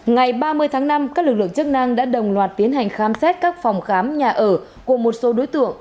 ngày ba mươi tháng năm các lực lượng chức năng đã đồng loạt tiến hành khám xét các phòng khám nhà ở của một số đối tượng